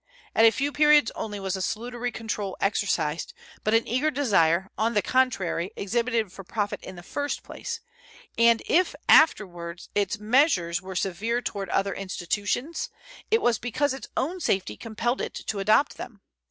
At a few periods only was a salutary control exercised, but an eager desire, on the contrary, exhibited for profit in the first place; and if afterwards its measures were severe toward other institutions, it was because its own safety compelled it to adopt them.